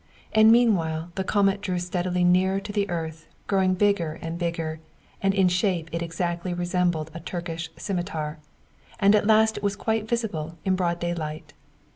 And meanwhile the comet drew steadily nearer to the earth, growing bigger and bigger, and in shape it exactly resembled a Turkish scimitar; at last it was quite visible in broad daylight.